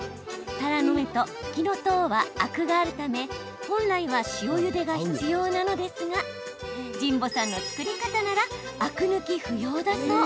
たらの芽と、ふきのとうはアクがあるため本来は塩ゆでが必要なのですが神保さんの作り方ならアク抜き不要だそう。